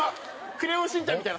『クレヨンしんちゃん』みたいな？